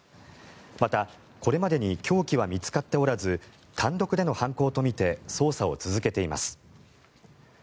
また、これまでに凶器は見つかっておらず単独での犯行とみて捜査を続けています。